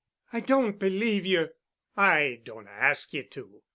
"I don't believe you." "I don't ask ye to.